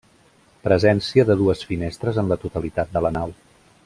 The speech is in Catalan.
Presència de dues finestres en la totalitat de la nau.